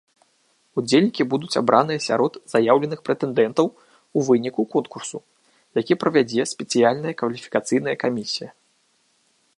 Удзельнікі будуць абраныя сярод заяўленых прэтэндэнтаў у выніку конкурсу, які правядзе спецыяльная кваліфікацыйная камісія.